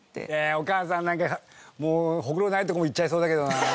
お母さんなんかもうホクロないとこもいっちゃいそうだけどな。